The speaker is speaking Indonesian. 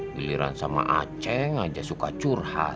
giliran sama aceh aja suka curhat